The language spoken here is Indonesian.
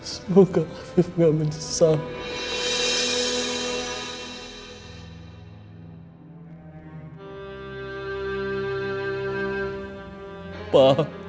semoga afif gak menyesal papa